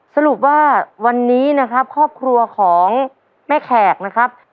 สรุปว่าวันนี้นะครับครอบครัวของแม่แขกนะครับ